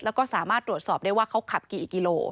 แล้วก็สามารถตรวจสอบได้ว่าเขาขับกี่กิโล